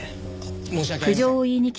申し訳ありません。